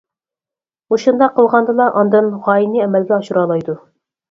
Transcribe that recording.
مۇشۇنداق قىلغاندىلا، ئاندىن غايىنى ئەمەلگە ئاشۇرالايدۇ.